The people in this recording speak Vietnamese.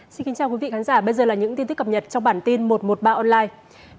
xin kính chào quý vị khán giả bây giờ là những tin tức cập nhật trong bản tin một trăm một mươi ba online